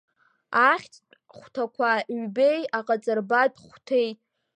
Ахьӡтә хәҭақәа ҩбеи аҟаҵарбатә хәҭеи…